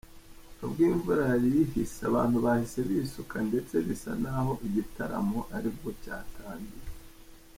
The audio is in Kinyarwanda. Ubwo imvura yari ihise abantu bahise bisuka ndetse bias naho igitaramo aribwo cyatangiye.